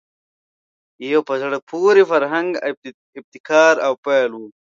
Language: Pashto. یو په زړه پورې فرهنګي ابتکار او پیل وو